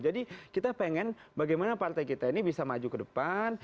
jadi kita pengen bagaimana partai kita ini bisa maju ke depan